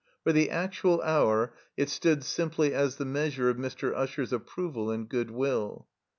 For the actual hour it stood simply as the measure of Mr. Usher's approval and good will.